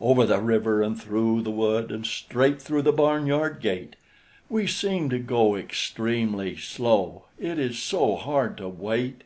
Over the river and through the wood, And straight through the barn yard gate We seem to go Extremely slow, It is so hard to wait!